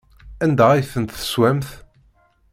Anda ay tent-teswamt?